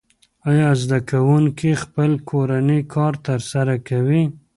آیا زده کوونکي خپل کورنی کار ترسره کوي؟